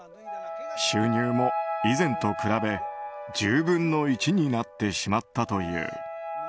収入も以前と比べ、１０分の１になってしまったという。